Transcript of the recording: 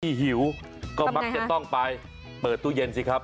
หิวก็มักจะต้องไปเปิดตู้เย็นสิครับ